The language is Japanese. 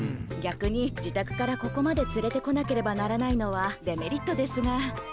逆に自宅からここまで連れて来なければならないのはデメリットですが。